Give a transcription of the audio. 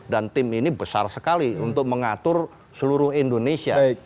dan tim ini besar sekali untuk mengatur seluruh indonesia